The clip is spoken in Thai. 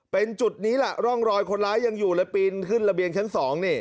เป็นจุดนี้แหละร่องรอยคนร้ายยังอยู่เลยปีนขึ้นระเบียงชั้น๒นี่